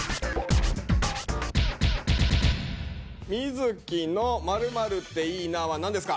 瑞稀の「○○っていいなぁ」は何ですか？